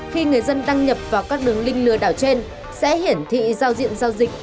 khi người dân đăng nhập vào các đường link lừa đảo trên sẽ hiển thị giao diện giao dịch